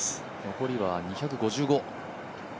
残りは２５５。